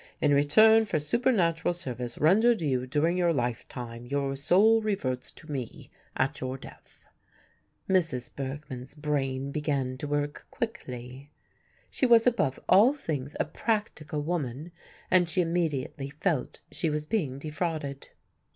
"In return for supernatural service rendered you during your lifetime, your soul reverts to me at your death." Mrs. Bergmann's brain began to work quickly. She was above all things a practical woman, and she immediately felt she was being defrauded.